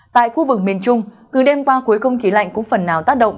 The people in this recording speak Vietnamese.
tại khu vực miền trung từ đêm qua cuối không khí lạnh cũng phần nào tác động